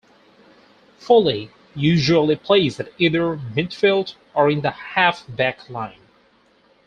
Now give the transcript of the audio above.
Foley usually plays at either midfield or in the half-back line.